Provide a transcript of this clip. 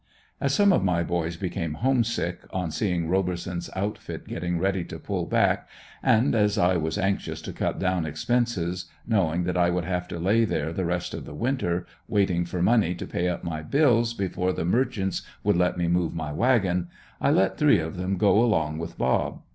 As some of my boys became homesick, on seeing Roberson's outfit getting ready to pull back and as I was anxious to cut down expenses, knowing that I would have to lay there the rest of the winter, waiting for money to pay up my bills before the merchants would let me move my wagon, I let three of them go along with "Bob."